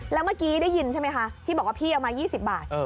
แล้วเมื่อกี้ได้ยินใช่ไหมคะที่บอกว่าพี่เอามา๒๐บาท